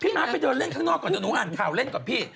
มาร์คไปเดินเล่นข้างนอกก่อนเดี๋ยวหนูอ่านข่าวเล่นกับพี่